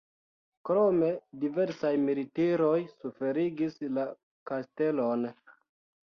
Krome diversaj militiroj suferigis la kastelon.